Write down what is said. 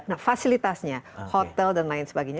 nah fasilitasnya hotel dan lain sebagainya